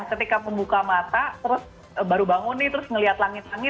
ketika pembuka mata terus baru bangun nih terus ngeliat langit langit